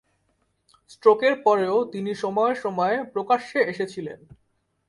স্ট্রোকের পরেও তিনি সময়ে সময়ে প্রকাশ্যে এসেছিলেন।